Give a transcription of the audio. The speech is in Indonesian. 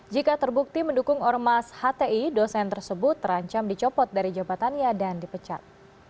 jika terbukti mendukung ormas hti dosen tersebut terancam dicopot dari jabatannya dan dipecat